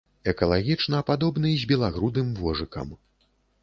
Экалагічна падобны з белагрудым вожыкам.